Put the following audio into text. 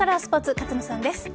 勝野さんです。